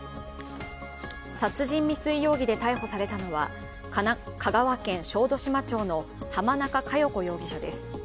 殺人未遂容疑で逮捕されたのは香川県小豆島町の濱中佳代子容疑者です。